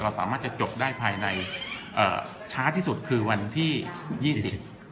สามารถจะจบได้ภายในเอ่อช้าที่สุดคือวันที่ยี่สิบ